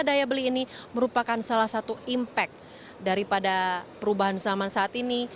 daya beli ini merupakan salah satu impact daripada perubahan zaman saat ini